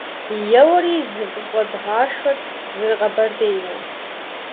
- Еуэри, зы выщӀэ дгъашхэрт зэрыкъэбэрдейуэ.